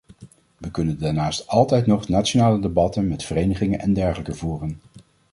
We kunnen daarnaast altijd nog nationale debatten met verenigingen en dergelijke voeren.